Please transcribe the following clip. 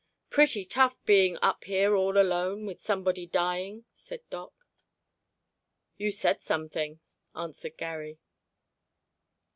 "Pretty tough, being up here all alone with somebody dying," said Doc. "You said something," answered Garry.